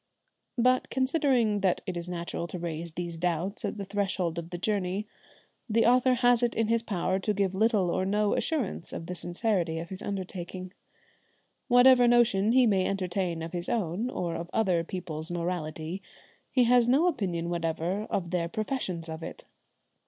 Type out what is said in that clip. But conceding that it is natural to raise these doubts at the threshold of the journey, the author has it in his power to give little or no assurance of the sincerity of his undertaking. Whatever notion he may entertain of his own, or of other people's morality, he has no opinion whatever of their professions of it.